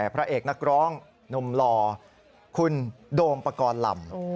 พระเอกนักร้องหนุ่มหล่อคุณโดมปกรณ์ลำ